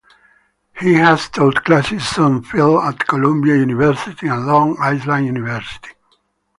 He has taught classes on film at Columbia University and Long Island University.